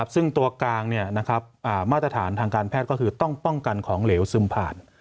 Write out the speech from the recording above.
ซึ่งตัวกลางมาตรฐานทางการแพทย์ก็คือต้องป้องกันของเหลวซึมผ่าน